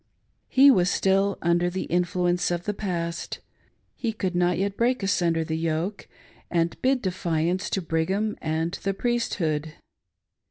He was still under the influence of the past— he could not yet break ^nder the yoke, and bid defiance to Brigham and the Priesthood.